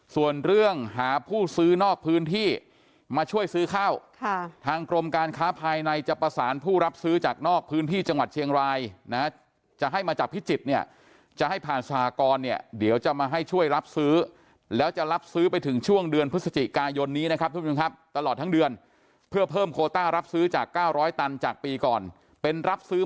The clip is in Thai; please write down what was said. ส่วนเรื่องหาผู้ซื้อนอกพื้นที่มาช่วยซื้อข้าวทางกรมการค้าภายในจะประสานผู้รับซื้อจากนอกพื้นที่จังหวัดเชียงรายนะจะให้มาจากพิจิตรเนี่ยจะให้ผ่านสหกรเนี่ยเดี๋ยวจะมาให้ช่วยรับซื้อแล้วจะรับซื้อไปถึงช่วงเดือนพฤศจิกายนนี้นะครับทุกผู้ชมครับตลอดทั้งเดือนเพื่อเพิ่มโคต้ารับซื้อจาก๙๐๐ตันจากปีก่อนเป็นรับซื้อ